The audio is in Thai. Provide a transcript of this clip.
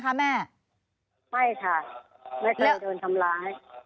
ผมโดนทำร้าย